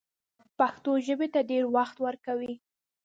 پښتو ژبې ته ډېر وخت ورکوي